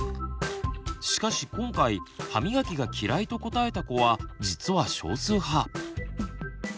しかし今回「歯みがきが嫌い」と答えた子は実は少数派。